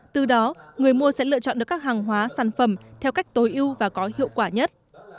từ đó người mua sẽ lựa chọn được các hàng hóa sản phẩm theo cách tối ưu và có hiệu quả nhất